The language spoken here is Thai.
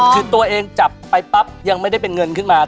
คือตัวเองจับไปปั๊บยังไม่ได้เป็นเงินขึ้นมา